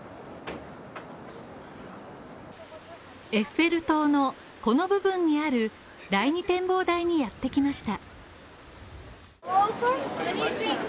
エッフェル塔のこの部分にある第２展望台にやってきました。